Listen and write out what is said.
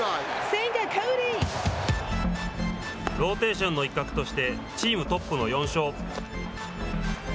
ローテーションの一角としてチームトップの４勝。